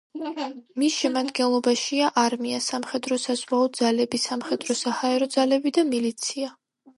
მის შემადგენლობაშია არმია, სამხედრო-საზღვაო ძალები, სამხედრო-საჰაერო ძალები და მილიცია.